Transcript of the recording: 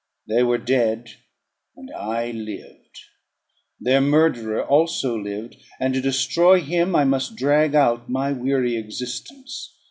They were dead, and I lived; their murderer also lived, and to destroy him I must drag out my weary existence.